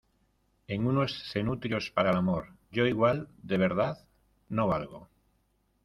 en unos cenutrios para el amor. yo igual, de verdad , no valgo .